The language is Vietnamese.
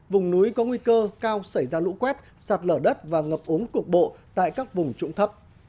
vùng núi có nguy cơ cao xảy ra lũ quét sạt lở đất và ngập ống cục bộ tại các vùng trụng thấp